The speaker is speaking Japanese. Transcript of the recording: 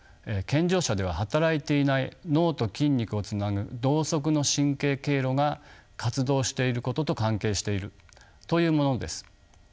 健常者では働いていない脳と筋肉をつなぐ同側の神経経路が活動していることと関係しているというものです。